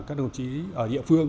các đồng chí ở địa phương